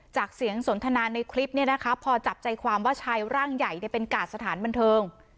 จากเสียงสนทนาในคลิปพอจับใจความว่าชายร่างใหญ่เป็นกาดสถานบันเทิง